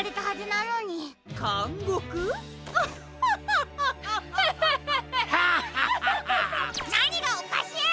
なにがおかしい！